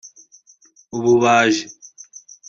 ububaji